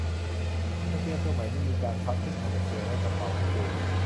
กางเกงตัวใหม่ไม่มีการพับที่ชายกางเกงและกระเป๋ากางเกง